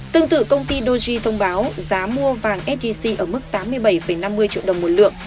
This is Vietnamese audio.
tương tự công ty doji thông báo giá mua vàng sgc ở mức tám mươi bảy năm mươi triệu đồng một lượng